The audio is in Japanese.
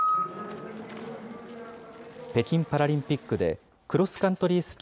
北京パラリンピックでクロスカントリー